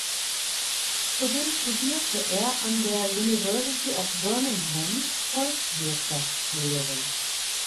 Zudem studierte er an der University of Birmingham Volkswirtschaftslehre.